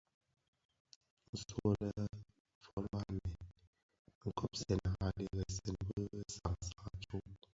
Nso folō anèn, kobsèna a dheresèn bi sansan a tsok.